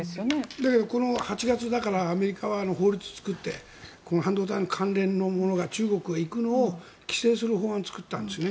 だけど、８月アメリカは法律を作って半導体の関連のものが中国へ行くのを規制する法案を作ったんですね。